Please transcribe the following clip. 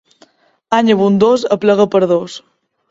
Any abundós, aplega per dos.